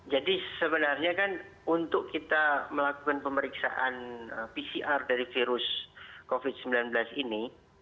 jadi sebenarnya kan untuk kita melakukan pemeriksaan pcr dari virus covid sembilan belas ini